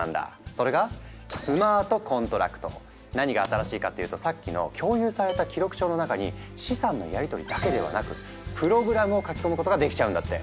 それが何が新しいかっていうとさっきの「共有された記録帳」の中に資産のやりとりだけではなくプログラムを書き込むことができちゃうんだって。